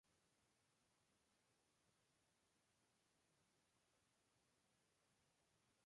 Allí se casó con la española Esperanza Miguel Portero.